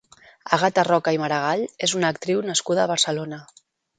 Àgata Roca i Maragall és una actriu nascuda a Barcelona.